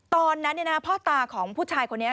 ตอนนั้นพ่อตาของผู้ชายคนนี้